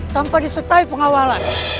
tanpa disertai pengawalan